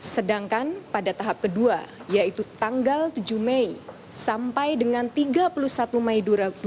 sedangkan pada tahap kedua yaitu tanggal tujuh mei sampai dengan tiga puluh satu mei dua ribu dua puluh